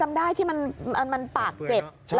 จำได้ที่มันปากเจ็บ